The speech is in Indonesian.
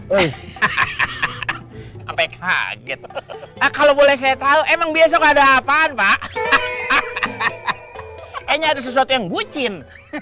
hahaha kaget kalau boleh saya tahu emang biasa ada apaan pak enggak ada sesuatu yang bucin